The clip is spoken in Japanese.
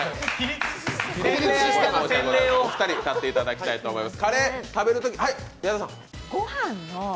お二人に立っていただきたいと思います。